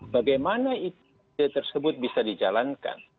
bagaimana ide tersebut bisa dijalankan